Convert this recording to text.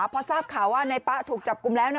พอทราบข่าวว่านายป๊ะถูกจับกลุ่มแล้ว